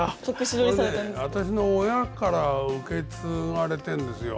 これね私の親から受け継がれてんですよ。